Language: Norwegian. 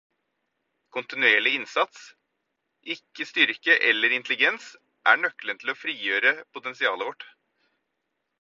Kontinuerlig innsats - ikke styrke eller intelligens - er nøkkelen til å frigjøre potensialet vårt.